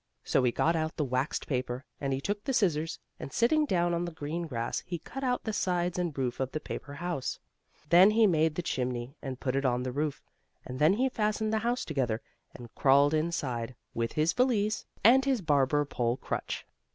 So he got out the waxed paper, and he took the scissors, and, sitting down on the green grass, he cut out the sides and roof of the paper house. Then he made the chimney, and put it on the roof, and then he fastened the house together, and crawled inside, with his valise and his barber pole crutch.